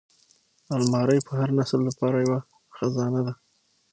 الماري د هر نسل لپاره یوه خزانه ده